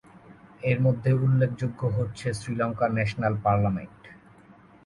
এর মধ্যে উল্লেখযোগ্য হচ্ছে শ্রীলঙ্কা ন্যাশনাল পার্লামেন্ট।